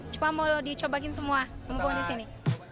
coba mau dicobakin semua mumpung di sini